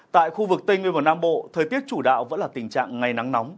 tại khu vực tây nguyên và nam bộ thời tiết chủ đạo vẫn là tình trạng ngày nắng nóng